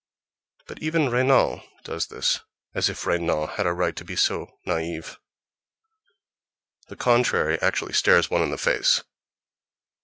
—But even Renan does this. As if Renan had a right to be naïve! The contrary actually stares one in the face.